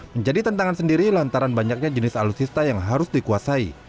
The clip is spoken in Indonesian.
menjadi tentangan sendiri lantaran banyaknya jenis alutsista yang harus dikuasai